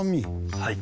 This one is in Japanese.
はい。